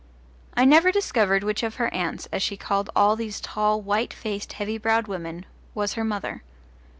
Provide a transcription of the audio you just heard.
I never discovered which of her aunts, as she called all these tall, white faced heavy browed women, was her mother.